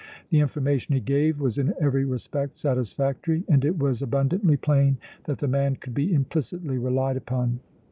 The information he gave was in every respect satisfactory and it was abundantly plain that the man could be implicitly relied upon.